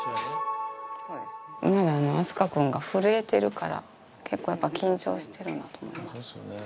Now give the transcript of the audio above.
まだ明日香君が震えてるから結構やっぱ緊張してるんだと思います。